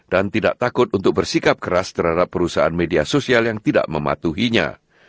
dan tidak takut untuk bersikap keras terhadap perusahaan media sosial yang tidak mematuhinya